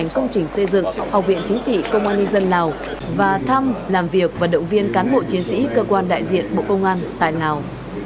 công trình xây dựng học viện chính trị công an nhân dân lào và thăm làm việc và động viên cán bộ chiến sĩ cơ quan đại diện bộ công an tại lào